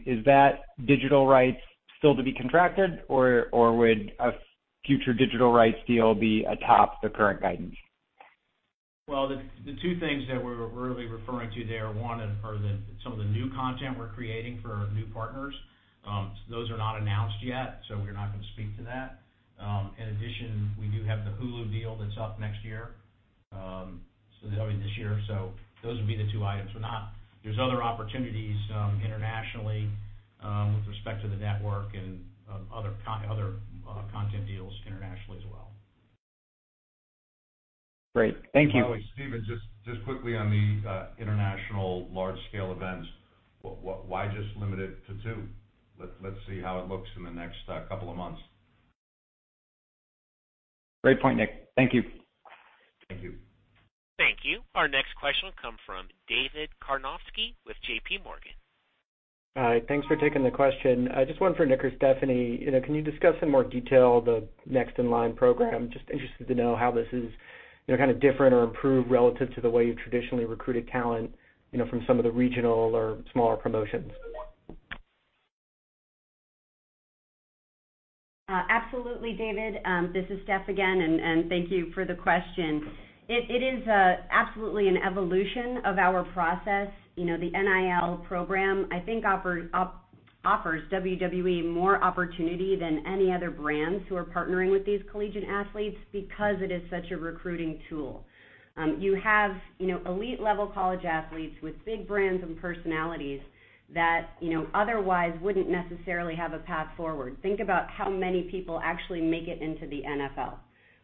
is that digital rights still to be contracted or would a future digital rights deal be atop the current guidance? Well, the two things that we're really referring to there, some of the new content we're creating for new partners. Those are not announced yet, so we're not going to speak to that. In addition, we do have the Hulu deal that's up next year, so that'll be this year. Those would be the two items. There's other opportunities, internationally, with respect to the network and other content deals internationally as well. Great. Thank you. By the way, Steven, just quickly on the international large scale events, why just limit it to two? Let's see how it looks in the next couple of months. Great point, Nick. Thank you. Thank you. Thank you. Our next question will come from David Karnovsky with JP Morgan. Hi. Thanks for taking the question. Just one for Nick or Stephanie. You know, can you discuss in more detail the Next In Line program? Just interested to know how this is, you know, kind of different or improved relative to the way you've traditionally recruited talent, you know, from some of the regional or smaller promotions. Absolutely, David. This is Steph again, and thank you for the question. It is absolutely an evolution of our process. You know, the NIL program, I think offers WWE more opportunity than any other brands who are partnering with these collegiate athletes because it is such a recruiting tool. You have, you know, elite level college athletes with big brands and personalities that, you know, otherwise wouldn't necessarily have a path forward. Think about how many people actually make it into the NFL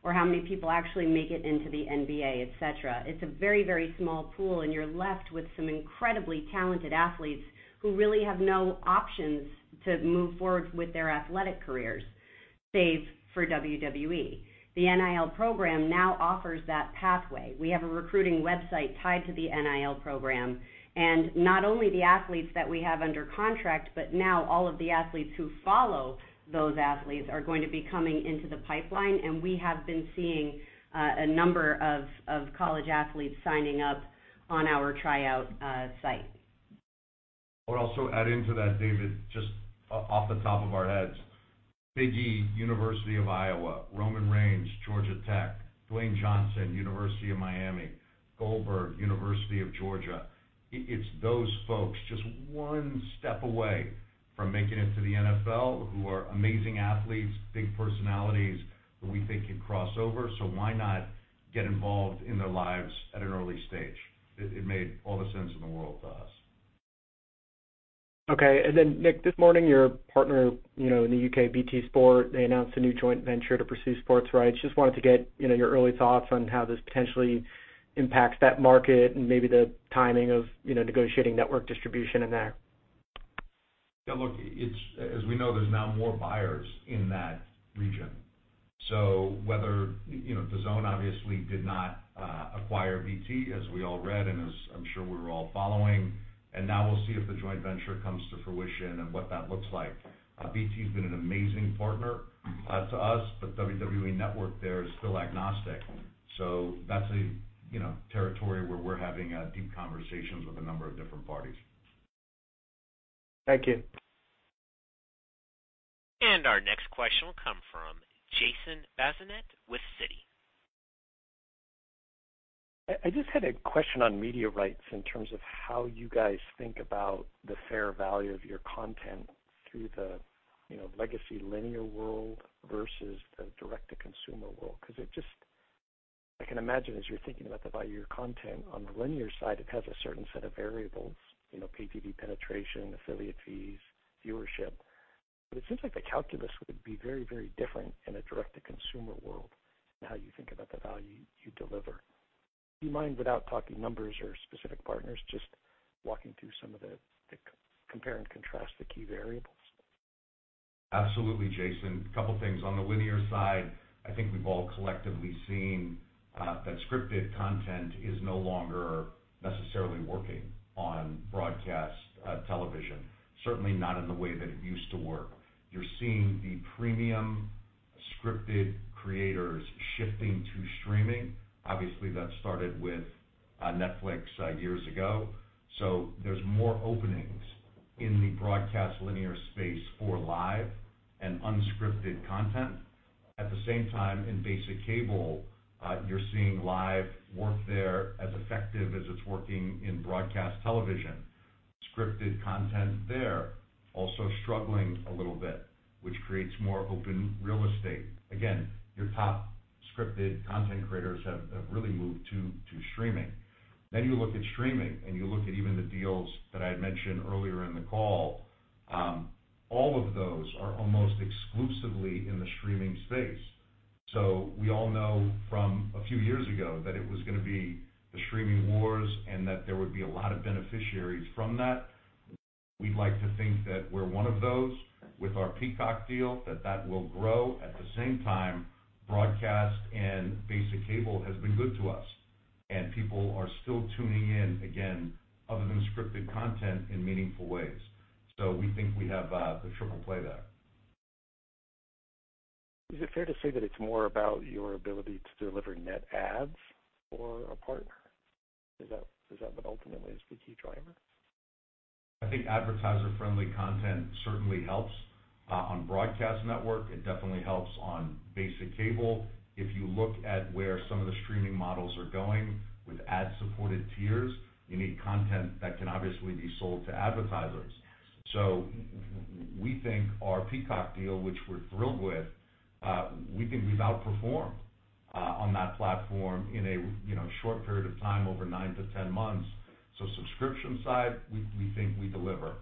or how many people actually make it into the NBA, et cetera. It's a very, very small pool, and you're left with some incredibly talented athletes who really have no options to move forward with their athletic careers, save for WWE. The NIL program now offers that pathway. We have a recruiting website tied to the NIL program, and not only the athletes that we have under contract, but now all of the athletes who follow those athletes are going to be coming into the pipeline, and we have been seeing a number of college athletes signing up on our tryout site. I would also add into that, David, just off the top of our heads, Big E, University of Iowa, Roman Reigns, Georgia Tech, Dwayne Johnson, University of Miami, Goldberg, University of Georgia. It's those folks just one step away from making it to the NFL who are amazing athletes, big personalities who we think could cross over. Why not get involved in their lives at an early stage? It made all the sense in the world to us. Okay. Nick, this morning, your partner, you know, in the U.K., BT Sport, they announced a new joint venture to pursue sports club rights. Just wanted to get, you know, your early thoughts on how this potentially impacts that market and maybe the timing of, you know, negotiating network distribution in there. Yeah, look, it's as we know, there's now more buyers in that region. Whether, you know, DAZN obviously did not acquire BT, as we all read and as I'm sure we were all following, and now we'll see if the joint venture comes to fruition and what that looks like. BT has been an amazing partner to us, but WWE Network there is still agnostic. That's a, you know, territory where we're having deep conversations with a number of different parties. Thank you. Our next question will come from Jason Bazinet with Citi. I just had a question on media rights in terms of how you guys think about the fair value of your content through the, you know, legacy linear world versus the direct-to-consumer world. Because it just, I can imagine as you're thinking about the value of your content on the linear side, it has a certain set of variables, you know, PTV penetration, affiliate fees, viewership. But it seems like the calculus would be very, very different in a direct-to-consumer world and how you think about the value you deliver. Do you mind, without talking numbers or specific partners, just walking through some of the compare and contrast the key variables? Absolutely, Jason. A couple of things. On the linear side, I think we've all collectively seen that scripted content is no longer necessarily working on broadcast television, certainly not in the way that it used to work. You're seeing the premium scripted creators shifting to streaming. Obviously, that started with Netflix years ago. There's more openings in the broadcast linear space for live and unscripted content. At the same time, in basic cable, you're seeing live work there as effective as it's working in broadcast television. Scripted content there also struggling a little bit, which creates more open real estate. Again, your top scripted content creators have really moved to streaming. You look at streaming and you look at even the deals that I had mentioned earlier in the call, all of those are almost exclusively in the streaming space. We all know from a few years ago that it was gonna be the streaming wars and that there would be a lot of beneficiaries from that. We'd like to think that we're one of those with our Peacock deal, that that will grow. At the same time, broadcast and basic cable has been good to us, and people are still tuning in, again, other than scripted content in meaningful ways. We think we have the triple play there. Is it fair to say that it's more about your ability to deliver net ads for a partner? Is that what ultimately is the key driver? I think advertiser-friendly content certainly helps on broadcast network. It definitely helps on basic cable. If you look at where some of the streaming models are going with ad-supported tiers, you need content that can obviously be sold to advertisers. We think our Peacock deal, which we're thrilled with, we think we've outperformed on that platform in a, you know, short period of time over 9 t 10 months. Subscription side, we think we deliver.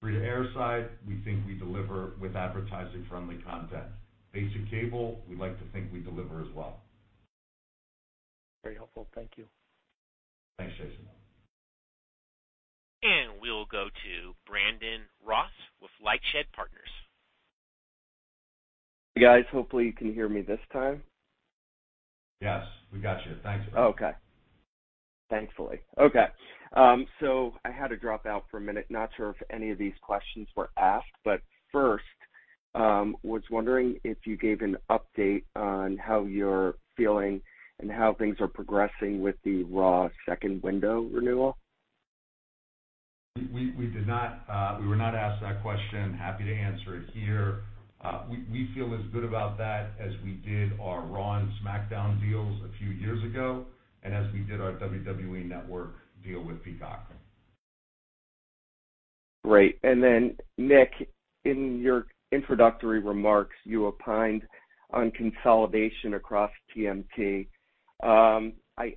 Free-to-air side, we think we deliver with advertising-friendly content. Basic cable, we like to think we deliver as well. Very helpful. Thank you. Thanks, Jason. We'll go to Brandon Ross with Lightshed Partners. Guys, hopefully you can hear me this time. Yes, we got you. Thanks. I had to drop out for a minute. Not sure if any of these questions were asked, but first, I was wondering if you gave an update on how you're feeling and how things are progressing with the Raw second window renewal. We were not asked that question. Happy to answer it here. We feel as good about that as we did our Raw and SmackDown deals a few years ago, and as we did our WWE Network deal with Peacock. Great. Then Nick, in your introductory remarks, you opined on consolidation across TMT.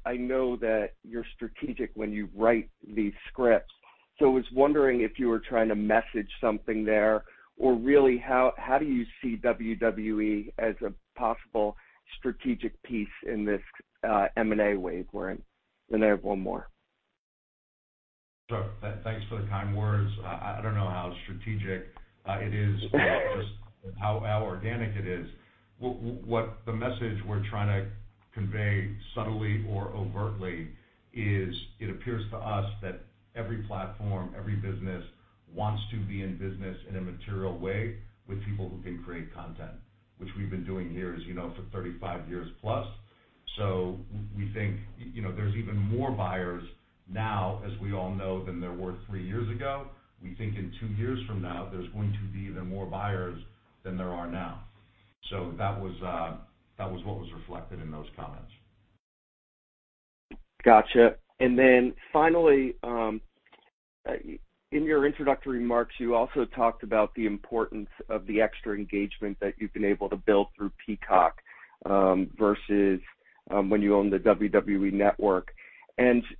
I know that you're strategic when you write these scripts, so I was wondering if you were trying to message something there, or really, how do you see WWE as a possible strategic piece in this M&A wave we're in? I have one more. Sure. Thanks for the kind words. I don't know how strategic it is, just how organic it is. What the message we're trying to convey, subtly or overtly, is it appears to us that every platform, every business wants to be in business in a material way with people who can create content, which we've been doing here, as you know, for 35 years?? We think, you know, there's even more buyers now, as we all know, than there were three years ago. We think in two years from now, there's going to be even more buyers than there are now. That was what was reflected in those comments. Gotcha. Finally, in your introductory remarks, you also talked about the importance of the extra engagement that you've been able to build through Peacock, versus, when you owned the WWE Network.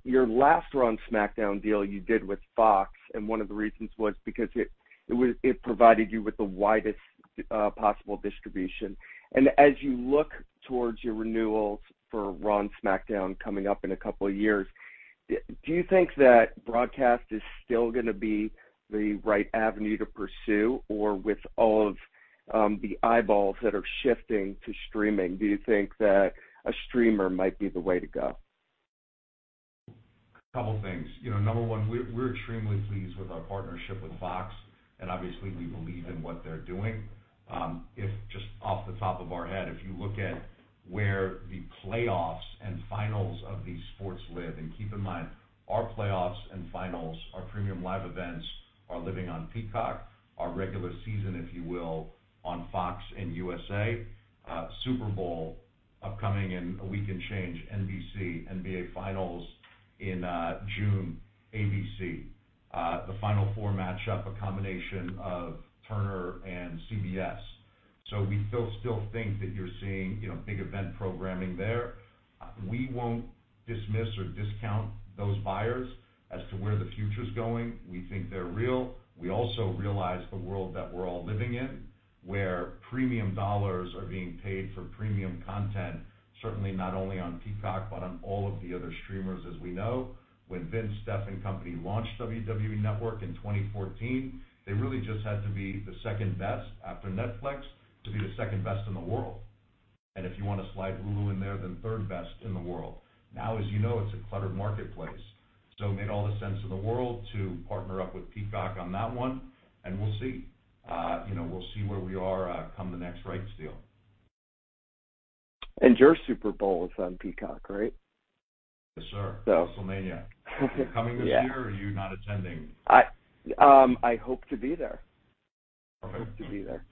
Your last RAW and SmackDown deal you did with Fox, and one of the reasons was because it provided you with the widest possible distribution. As you look towards your renewals for RAW and SmackDown coming up in a couple of years. Do you think that broadcast is still gonna be the right avenue to pursue? Or with all of the eyeballs that are shifting to streaming, do you think that a streamer might be the way to go? A couple of things. You know, number one, we're extremely pleased with our partnership with Fox, and obviously, we believe in what they're doing. If just off the top of our head, if you look at where the playoffs and finals of these sports live, and keep in mind, our playoffs and finals, our premium live events are living on Peacock. Our regular season, if you will, on Fox and USA. Super Bowl upcoming in a week in change, NBC, NBA Finals in June, ABC. The Final Four matchup, a combination of Turner and CBS. We still think that you're seeing, you know, big event programming there. We won't dismiss or discount those buyers as to where the future is going. We think they're real. We also realize the world that we're all living in, where premium dollars are being paid for premium content, certainly not only on Peacock, but on all of the other streamers, as we know. When Vince, Steph, and company launched WWE Network in 2014, they really just had to be the second best after Netflix to be the second best in the world. And if you want to slide Hulu in there, then third best in the world. Now, as you know, it's a cluttered marketplace. It made all the sense in the world to partner up with Peacock on that one, and we'll see. You know, we'll see where we are, come the next rights deal. Your Super Bowl is on Peacock, right? Yes, sir. So. WrestleMania. Yeah. Are you coming this year or are you not attending? I hope to be there. Okay. I hope to be there.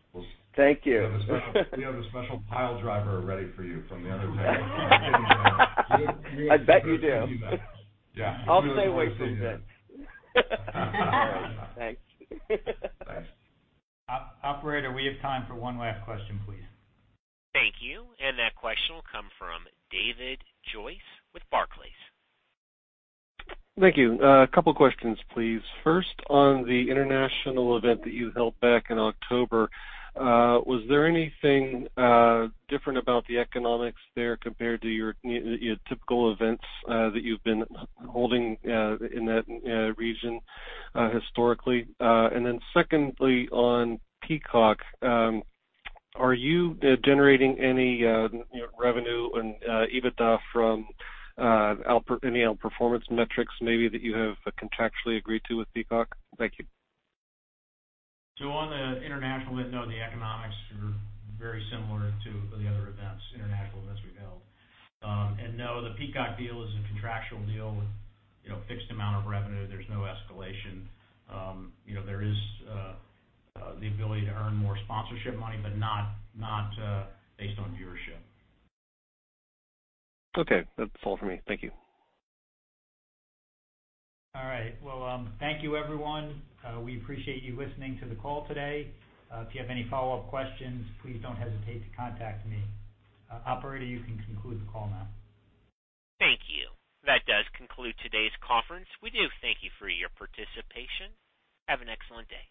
Thank you. We have a special pile driver ready for you from the other table. I bet you do. Yeah. I'll stay away from the event. All right. Thank you. Thanks. Operator, we have time for one last question, please. Thank you. That question will come from David Joyce with Barclays. Thank you. A couple of questions, please. First, on the international event that you held back in October, was there anything different about the economics there compared to your typical events that you've been holding in that region historically? Secondly, on Peacock, are you generating any revenue and EBITDA from any outperformance metrics maybe that you have contractually agreed to with Peacock? Thank you. On the international event, no, the economics are very similar to the other events, international events we've held. No, the Peacock deal is a contractual deal, you know, fixed amount of revenue. There's no escalation. You know, there is the ability to earn more sponsorship money, but not based on viewership. Okay. That's all for me. Thank you. All right. Well, thank you, everyone. We appreciate you listening to the call today. If you have any follow-up questions, please don't hesitate to contact me. Operator, you can conclude the call now. Thank you. That does conclude today's conference. We do thank you for your participation. Have an excellent day.